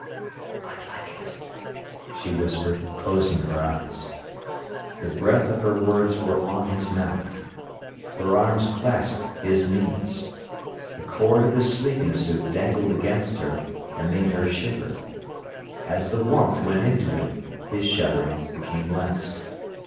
"I like it," she whispered, closing her eyes. The breath of her words were on his mouth. Her arms clasped his knees. The cord of his sleeping suit dangled against her and made her shiver. As the warmth went into him, his shuddering became less.